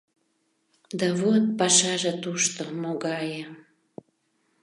— Да вот пашаже тушто могае...